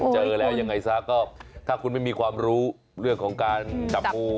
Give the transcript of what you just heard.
เจอแล้วยังไงซะก็ถ้าคุณไม่มีความรู้เรื่องของการจับงู